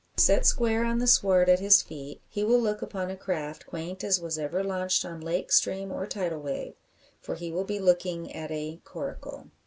Set square on the sward at his feet, he will look upon a craft quaint as was ever launched on lake, stream, or tidal wave. For he will be looking at a "coracle."